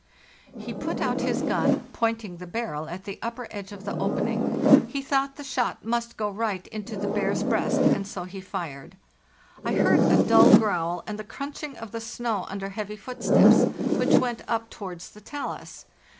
He put out his gun, pointing the barrel at the upper edge of the opening; he thought the shot must go right into the bear's breast, and so he fired. I heard a dull growl and the crunching of the snow under heavy footsteps, which went up towards the talus.